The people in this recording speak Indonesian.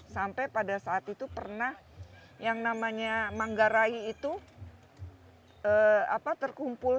sampai pada saat itu pernah yang namanya manggarai itu terkumpul sampah sampai lima ratus truk sampah